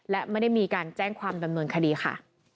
และไม่ได้มีการแจ้งความดำเนินคดีค่ะ